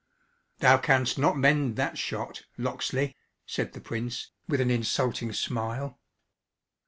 "Thou canst not mend that shot, Locksley," said the Prince with an insulting smile.